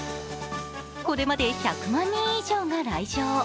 これまで１００万人以上が来場。